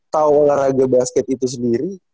tahu olahraga basket itu sendiri